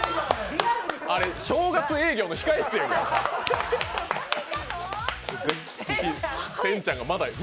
あれ正月営業の控え室や。